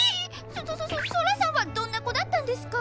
ソソソソラさんはどんな子だったんですか？